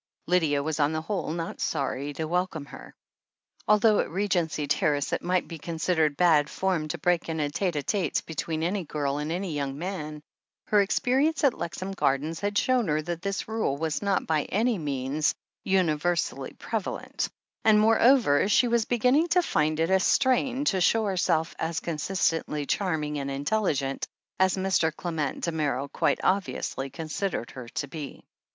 Lydia was on the whole not sorry to welcome her. Although at Regency Terrace it might be considered bad form to break into a tete d tete between any girl and any young man, her experience at Lexham Gardens had shown her that this rule was not by any means THE HEEL OF ACHILLES 279 universally prevalent, and moreover she was beginning to find it a strain to show herself as consistently charm ing and intelligent as Mr. Clement Damerel quite obviously considered her to be.